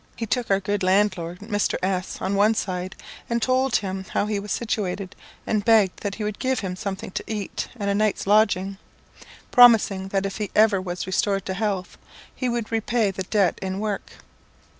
He took our good landlord, Mr. S , on one side, and told him how he was situated, and begged that he would give him something to eat and a night's lodging, promising that if ever he was restored to health, he would repay the debt in work.